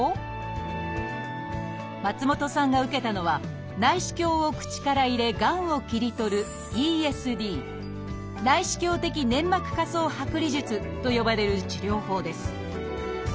松本さんが受けたのは内視鏡を口から入れがんを切り取ると呼ばれる治療法です。